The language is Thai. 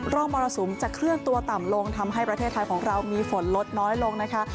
มรสุมจะเคลื่อนตัวต่ำลงทำให้ประเทศไทยของเรามีฝนลดน้อยลงนะคะ